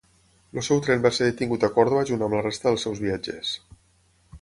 El seu tren va ser detingut a Còrdova junt amb la resta dels seus viatgers.